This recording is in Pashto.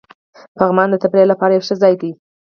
پغمان د تفریح لپاره یو ښه ځای دی.